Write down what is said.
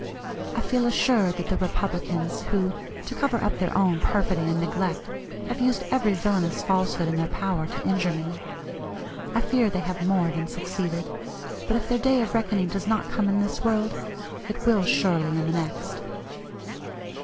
I feel assured that the Republicans, who, to cover up their own perfidy and neglect, have used every villanous falsehood in their power to injure me I fear they have more than succeeded, but if their day of reckoning does not come in this world, it will surely in the next.